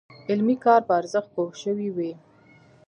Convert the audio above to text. علمي کار په ارزښت پوه شوي وي.